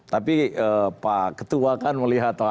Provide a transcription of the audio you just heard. tapi pak ketua kan melihat